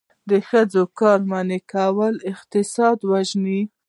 د ښځو کار منع کول اقتصاد وژني.